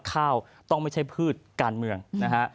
ข้าวต้องไม่ใช่พืชการเมืองนะฮะ